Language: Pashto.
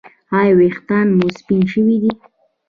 ایا ویښتان مو سپین شوي دي؟